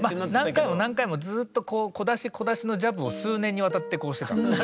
何回も何回もずっと小出し小出しのジャブを数年にわたってしてた。